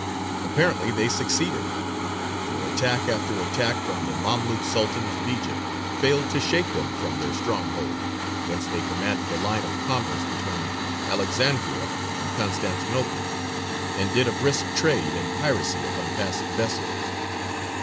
Apparently they succeeded, for attack after attack from the Mamlūk Sultans of Egypt failed to shake them from their stronghold, whence they commanded the line of commerce between Alexandria and Constantinople, and did a brisk trade in piracy upon passing vessels.